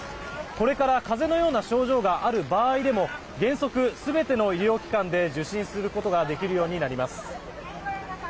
これから風邪のような症状がある場合でも原則、全ての医療機関で受診することができるようになります。